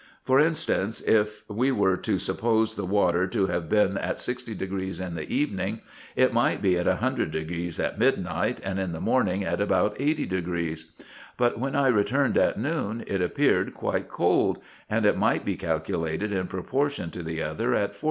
423 For instance, if we were to suppose the water to have been at 60° in the evening, it might be at 100° at midnight, and in the morning at about 80° ; but when I returned at noon, it appeared quite cold, and it might be calculated in proportion to the other at 40°.